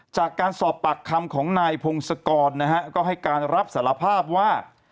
จากการสอบปากคำของนายพงศกรนะฮะก็ให้การรับสารภาพว่า